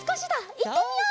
いってみよう！